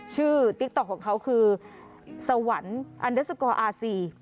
ติ๊กต๊อกของเขาคือสวรรค์อันเดอร์สกอร์อาซี